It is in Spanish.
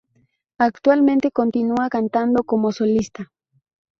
Actualmente continúa cantando como solista.